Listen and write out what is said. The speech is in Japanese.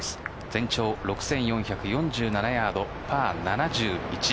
全長６４４７ヤードパー７１。